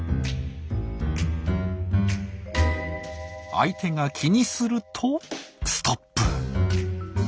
相手が気にするとストップ。